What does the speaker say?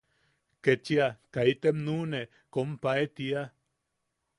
Kechia ‘kaitem nuʼune, komae, tia.